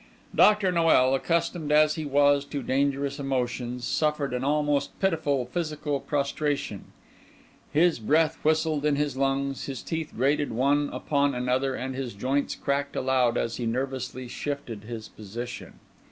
Dr. Noel, accustomed as he was to dangerous emotions, suffered an almost pitiful physical prostration; his breath whistled in his lungs, his teeth grated one upon another, and his joints cracked aloud as he nervously shifted his position.